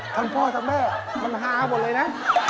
ทั้งพ่อทั้งแม่มันฮาหมดเลยนะ